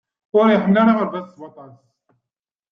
Ur iḥemmel ara aɣerbaz s waṭas.